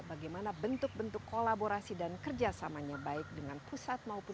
bagaimana bentuk bentuk kolaborasi dan kerjasamanya baik dengan pusat maupun